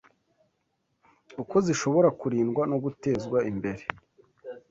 uko zishobora kurindwa no gutezwa imbere